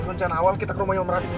koncana awal kita ke rumahnya om rafiq